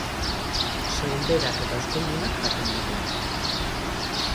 Soinberak eta oskoldunak jaten ditu.